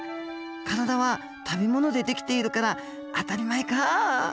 体は食べ物でできているから当たり前か！